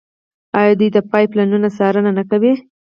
آیا دوی د پایپ لاینونو څارنه نه کوي؟